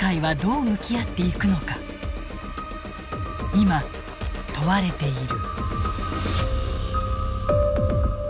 今問われている。